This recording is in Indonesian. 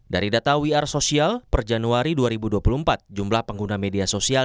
dari data wr sosial per januari dua ribu dua puluh empat jumlah pengguna media sosial